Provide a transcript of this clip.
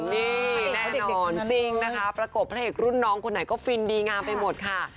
นี่แน่นอนจริงประกบพระเหรกรุ่นน้องคนไหนก็ฟินดีงามไปหมดค่ะ